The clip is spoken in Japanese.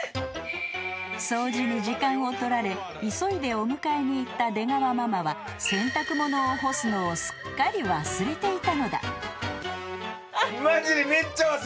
［掃除に時間を取られ急いでお迎えに行った出川ママは洗濯物を干すのをすっかり忘れていたのだ］